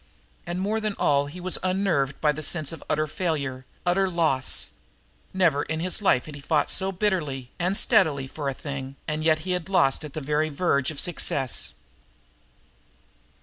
And more than all he was unnerved by the sense of utter failure, utter loss. Never in his life had he fought so bitterly and steadily for a thing, and yet he had lost at the very verge of success.